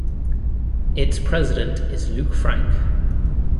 Its president is Luc Frank.